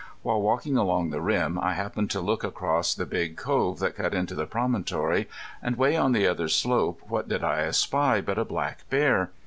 While walking along the rim I happened to look across the big cove that cut into the promontory, and way on the other slope what did I espy but a black bear.